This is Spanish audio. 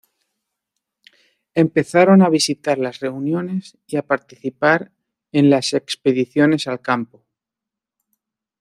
Empezaron a visitar las reuniones y a participar en las expediciones al campo.